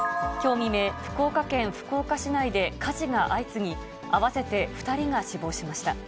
きょう未明、福岡県福岡市内で火事が相次ぎ、合わせて２人が死亡しました。